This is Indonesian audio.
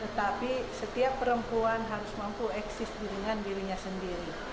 tetapi setiap perempuan harus mampu eksis dengan dirinya sendiri